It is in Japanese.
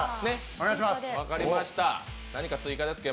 お願いします。